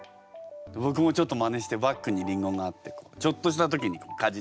僕もちょっとまねしてバッグにりんごがあってちょっとした時にこうかじってみたり。